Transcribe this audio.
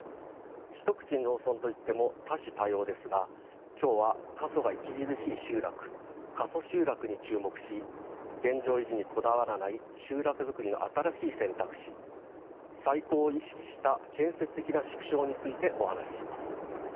一口に農村といっても多種多様ですが今日は過疎が著しい集落過疎集落に注目し現状維持にこだわらない集落づくりの新しい選択肢再興を意識した建設的な縮小についてお話しします。